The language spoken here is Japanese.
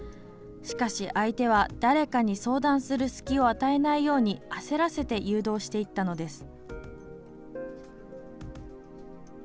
しかし、相手は誰かに相談する隙を与えないように焦らせて誘導していったのです。